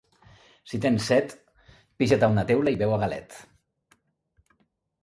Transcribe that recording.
Si tens set pixa't a una teula i beu a galet